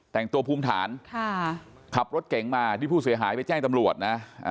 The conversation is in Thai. แต่งตัวภูมิฐานขับรถเก๋งมาที่ผู้เสียหายไปแจ้งตำรวจนะ